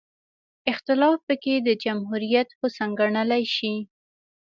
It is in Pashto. اختلاف پکې د جمهوریت حسن ګڼلی شي.